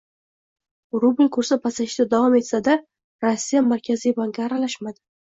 Rubl kursi pasayishda davom etsa -da, Rossiya Markaziy banki aralashmadi